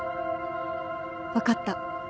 分かった。